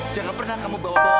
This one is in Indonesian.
jangan pernah kamu bawa bawa